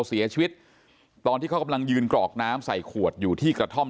เสียชีวิตตอนที่เขากำลังยืนกรอกน้ำใส่ขวดอยู่ที่กระท่อม